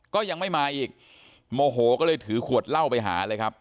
ก็ยังไม่มาอีกโมโหก็เลยถือขวดเหล้าไปหาเลยครับ